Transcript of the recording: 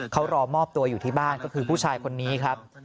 เขารอมอบตัวอยู่ที่บ้านก็คือผู้ชายคนนี้ครับ